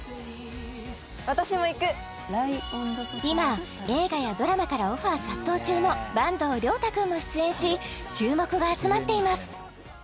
私も行く今映画やドラマからオファー殺到中の坂東龍汰君も出演し注目が集まっています